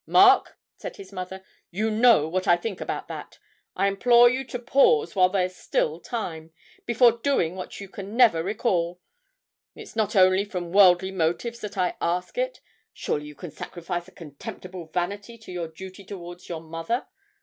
'Mark,' said his mother, 'you know what I think about that. I implore you to pause while there's time still, before doing what you can never recall. It's not only from worldly motives that I ask it. Surely you can sacrifice a contemptible vanity to your duty towards your mother.